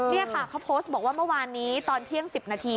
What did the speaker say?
นี่ค่ะเขาโพสต์บอกว่าเมื่อวานนี้ตอนเที่ยง๑๐นาที